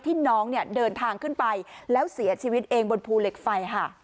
น้องเนี่ยเดินทางขึ้นไปแล้วเสียชีวิตเองบนภูเหล็กไฟค่ะ